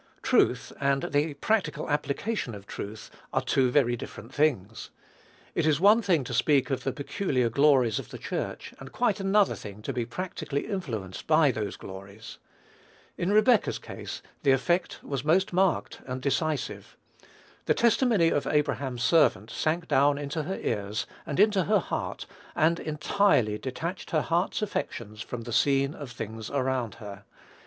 Truth, and the practical application of truth, are two very different things. It is one thing to speak of the peculiar glories of the Church, and quite another thing to be practically influenced by those glories. In Rebekah's case, the effect was most marked and decisive. The testimony of Abraham's servant sank down into her ears, and into her heart, and entirely detached her heart's affections from the scene of things around her.